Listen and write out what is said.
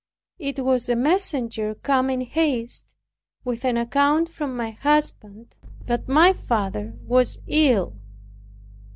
It was a messenger come in haste, with an account from my husband that my father was ill.